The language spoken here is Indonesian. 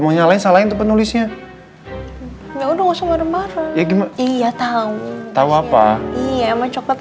mau nyalain salah itu penulisnya ya udah nggak usah bareng bareng iya tahu tahu apa coklat